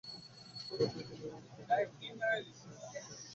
খবর পেয়ে তিনি রংপুরের পীরগঞ্জের নিজ বাড়ি থেকে আয়শাদের বাড়িতে আসেন।